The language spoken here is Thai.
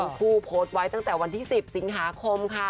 คู่โพสต์ไว้ตั้งแต่วันที่๑๐สิงหาคมค่ะ